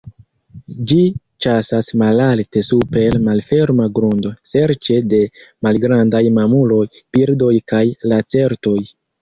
Ĝi ĉasas malalte super malferma grundo serĉe de malgrandaj mamuloj, birdoj kaj lacertoj.